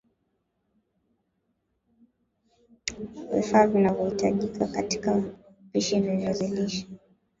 Vifaa vinavyohitajika katika upishi wa viazi lishe